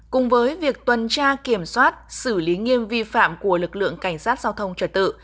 cùng với việc tuần tra kiểm soát xử lý nghiêm vi phạm của lực lượng cảnh sát giao thông trở tự